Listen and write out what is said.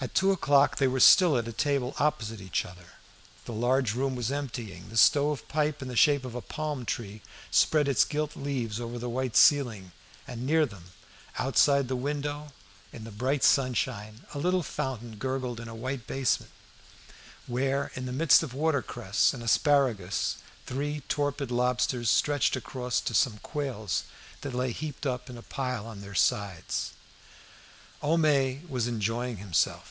At two o'clock they were still at a table opposite each other. The large room was emptying; the stove pipe, in the shape of a palm tree, spread its gilt leaves over the white ceiling, and near them, outside the window, in the bright sunshine, a little fountain gurgled in a white basin, where; in the midst of watercress and asparagus, three torpid lobsters stretched across to some quails that lay heaped up in a pile on their sides. Homais was enjoying himself.